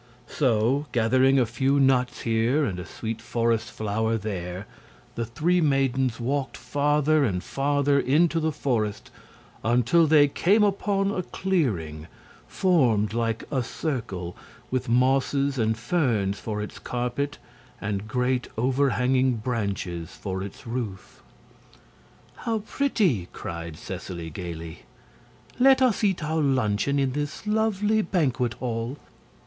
So, gathering a few nuts here and a sweet forest flower there, the three maidens walked farther and farther into the forest until they came upon a clearing formed like a circle with mosses and ferns for its carpet and great overhanging branches for its roof. "How pretty!" cried Seseley, gaily. "Let us eat our luncheon in this lovely banquet hall!"